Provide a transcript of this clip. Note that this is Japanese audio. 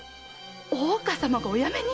大岡様がお辞めに⁉